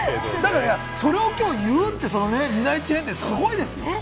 それを今日言うって、その２大チェーン店、すごいですよ。